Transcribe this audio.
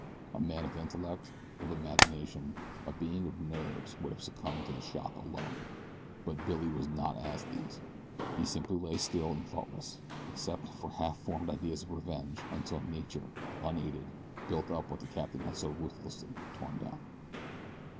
A man of intellect, of imagination, a being of nerves, would have succumbed to the shock alone; but Billy was not as these. He simply lay still and thoughtless, except for half formed ideas of revenge, until Nature, unaided, built up what the captain had so ruthlessly torn down.